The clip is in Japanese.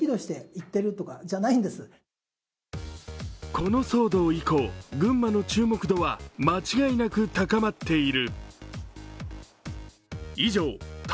この騒動以降、群馬の注目度は間違いなく高まっている。